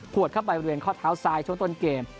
วดเข้าไปบริเวณข้อเท้าซ้ายช่วงต้นเกม